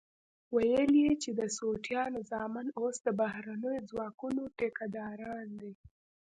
ويل يې چې د سوټيانو زامن اوس د بهرنيو ځواکونو ټيکه داران دي.